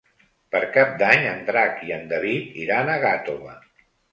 Per Cap d'Any en Drac i en David iran a Gàtova.